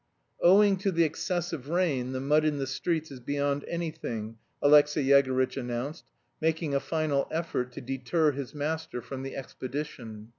"Owing to the excessive rain the mud in the streets is beyond anything," Alexey Yegorytch announced, making a final effort to deter his master from the expedition.